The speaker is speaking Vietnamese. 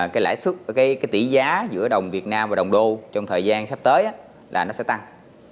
cái tỷ giá giữa đồng việt nam và đồng đô trong thời gian sắp tới là nó sẽ tăng